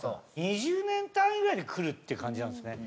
２０年単位ぐらいでくるっていう感じなんですね。